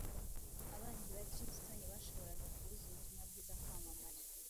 Abanzi ba Kristo ntibashoboraga kubuza ubutumwa bwiza kwamamara,